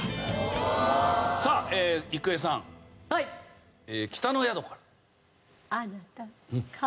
さあ郁恵さん「北の宿から」。